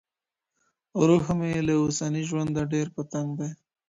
روح مې له اوسني ژونده ډیر په تنګ دی.